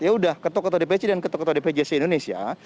yaudah ketuk ketuk dpc dan ketuk ketuk dpc di indonesia